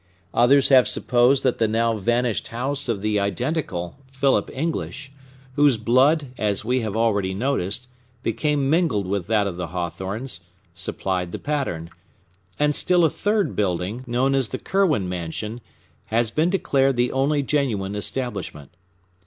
Others have supposed that the now vanished house of the identical Philip English, whose blood, as we have already noticed, became mingled with that of the Hawthornes, supplied the pattern; and still a third building, known as the Curwen mansion, has been declared the only genuine establishment.